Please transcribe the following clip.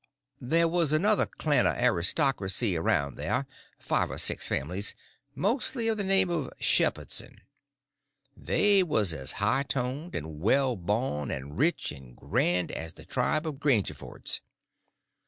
There was another clan of aristocracy around there—five or six families—mostly of the name of Shepherdson. They was as high toned and well born and rich and grand as the tribe of Grangerfords.